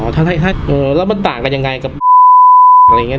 ถ้าแล้วมันต่างกันยังไงกับอะไรอย่างนี้